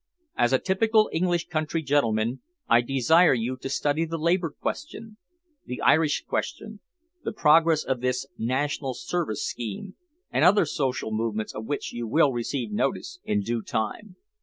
As a typical English country gentleman I desire you to study the labour question, the Irish question, the progress of this National Service scheme, and other social movements of which you will receive notice in due time.